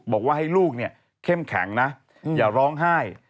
บอกว่าให้ลูกเนี่ยเข้มแข็งนะอย่าร้องไห้